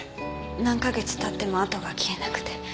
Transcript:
何カ月経っても痕が消えなくて。